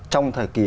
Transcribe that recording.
trong thời kỳ